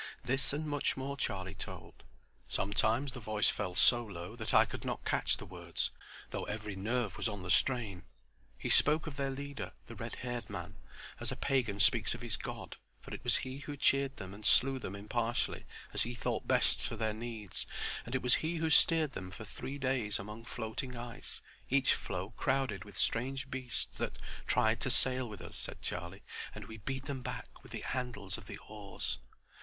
This and much more Charlie told. Sometimes the voice fell so low that I could not catch the words, though every nerve was on the strain. He spoke of their leader, the red haired man, as a pagan speaks of his God; for it was he who cheered them and slew them impartially as he thought best for their needs; and it was he who steered them for three days among floating ice, each floe crowded with strange beasts that "tried to sail with us," said Charlie, "and we beat them back with the handles of the oars."